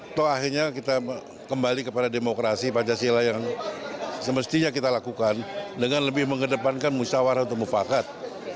atau akhirnya kita kembali kepada demokrasi pancasila yang semestinya kita lakukan dengan lebih mengedepankan musyawarah untuk mufakat